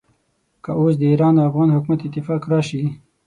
که اوس د ایران او افغان حکومت اتفاق راشي.